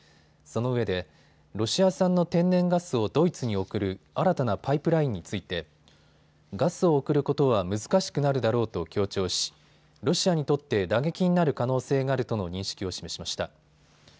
そのうえでロシア産の天然ガスをドイツに送る新たなパイプラインについてガスを送ることは難しくなるだろうと強調しロシアにとって打撃になる可能性があるとの認識を示しました。